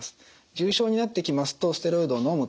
重症になってきますとステロイドをのむと。